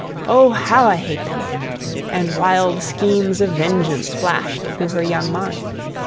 "Oh, HOW I hate them!" and wild schemes of vengeance flashed through her young mind.